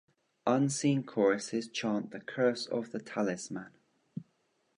Unseen choruses chant the curse of the talisman.